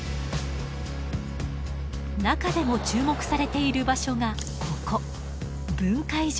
中でも注目されている場所がここ分界条